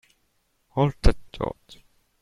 Hold that thought.